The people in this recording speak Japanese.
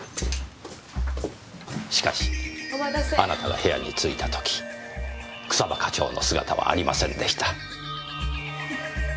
しかしあなたが部屋に着いた時草葉課長の姿はありませんでした。